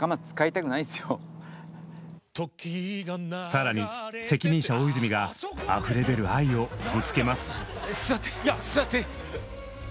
更に責任者・大泉があふれ出る愛をぶつけます。